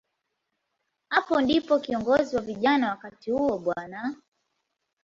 Hapo ndipo kiongozi wa vijana wakati huo, Bw.